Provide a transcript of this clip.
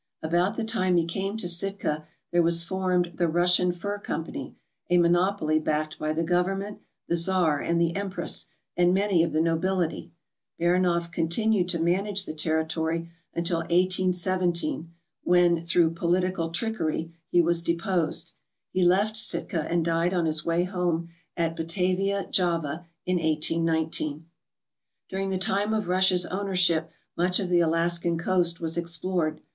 About the time he came to Sitka there was formed the Russian Fur Company, a monopoly backed by the government, the Czar, and the Empress, and many of the nobility. Baranof continued to manage the territory until 1817, when, through political trickery, he was deposed. He left Sitka and died on his way home at Batavia, Java, in 1819. During the time of Russia's ownership much of the Alaskan coast was explored.